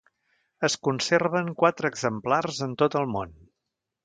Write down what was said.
Es conserven quatre exemplars en tot el món.